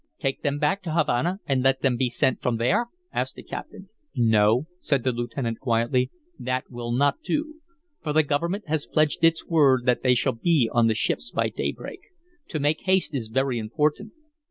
"Take them back to Havana and let them be sent from there?" asked the captain. "No," said the lieutenant, quietly. "That will not do; for the government has pledged its word that they shall be on the ships by daybreak. To make haste is very important."